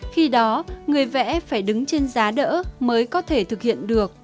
khi đó người vẽ phải đứng trên giá đỡ mới có thể thực hiện được